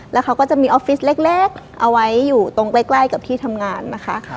แล้วเขาก็จะมีออฟฟิศเล็กเอาไว้อยู่ตรงใกล้กับที่ทำงานนะคะ